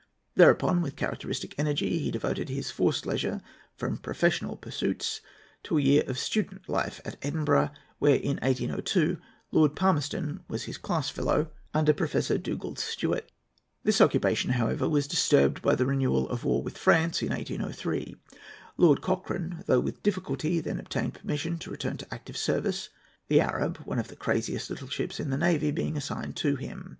Thereupon, with characteristic energy, he devoted his forced leisure from professional pursuits to a year of student life at Edinburgh, where, in 1802, Lord Palmerston was his class fellow under Professor Dugald Stewart. This occupation, however, was disturbed by the renewal of war with France in 1803. Lord Cochrane, though with difficulty, then obtained permission to return to active service, the Arab, one of the craziest little ships in the navy, being assigned to him.